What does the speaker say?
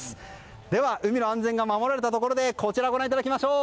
では海の安全が守られたところでこちらをご覧いただきましょう。